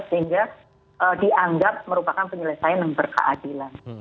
sehingga dianggap merupakan penyelesaian yang berkeadilan